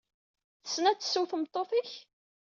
Tessen ad tesseww tmeṭṭut-ik?